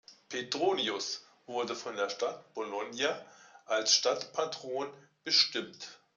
Petronius wurde von der Stadt Bologna als Stadtpatron bestimmt.